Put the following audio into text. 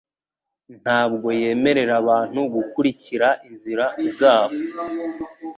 ntabwo yemerera abantu gukurikira inzira zabo